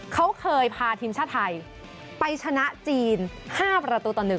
เค้าเคยพาทีมชาติไทยไปชนะจีน๕ประตูตอนหนึ่ง